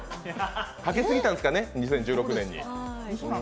かけ過ぎたんですかね、２０１６年に。